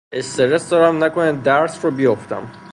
استرس دارم نکنه درس رو بیوفتم